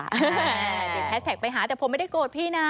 ติดแฮชแท็กไปหาแต่ผมไม่ได้โกรธพี่นะ